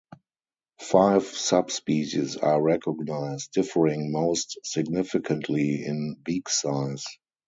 Five subspecies are recognised, differing most significantly in beak size.